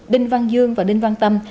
đinh văn dương và đinh văn tâm